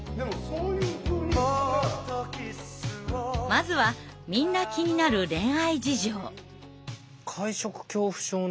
まずはみんな気になる恋愛事情。